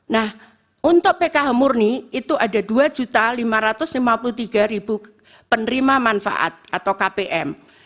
nah untuk pkh murni itu ada dua lima ratus lima puluh tiga penerima manfaat atau kpm